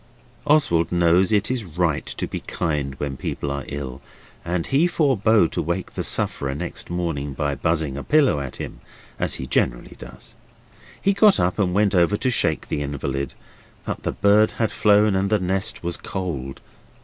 Oswald knows it is right to be very kind when people are ill, and he forbore to wake the sufferer next morning by buzzing a pillow at him, as he generally does. He got up and went over to shake the invalid, but the bird had flown and the nest was cold.